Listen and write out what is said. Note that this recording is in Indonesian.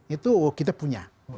itu kita punya